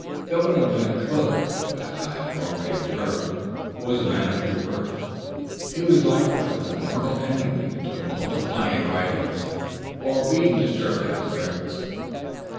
Governor Van Twiller, as I have already observed, was a man of few words; he was likewise a mortal enemy to multiplying writings or being disturbed at his breakfast.